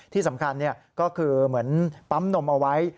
ที่สำคัญก็คือเหมือนปั๊มนมเอาไว้